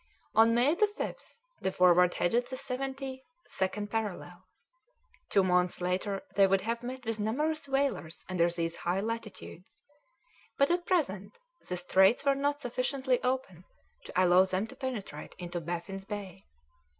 On May 5th the Forward headed the seventy second parallel; two months later they would have met with numerous whalers under these high latitudes, but at present the straits were not sufficiently open to allow them to penetrate into Baffin's Bay.